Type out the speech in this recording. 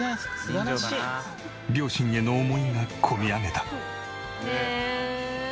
両親への思いが込み上げた。